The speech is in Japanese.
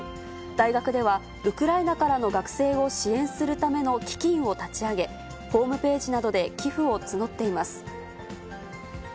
大学では、ウクライナからの学生を支援するための基金を立ち上げ、ホームページなどで寄付を募っています。